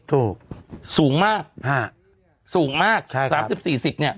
สูงมากฮะสูงมากใช่สามสิบสี่สิบเนี้ย